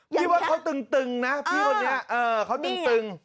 คิดว่าเขาตึงนะพี่คนนี้เขาตึง